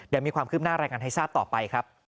เดี๋ยวมีความคืบหน้ารายงานให้ทราบต่อไปครับ